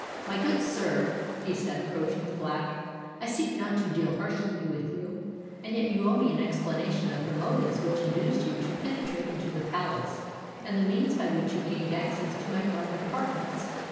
"My good sir," he said, approaching the Black, "I seek not to deal harshly with you: and yet you owe me an explanation of the motives which induced you to penetrate into the palace, and the means by which you gained access to my private apartments."